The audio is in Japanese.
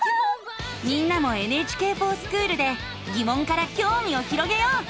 みんなも「ＮＨＫｆｏｒＳｃｈｏｏｌ」でぎもんからきょうみを広げよう。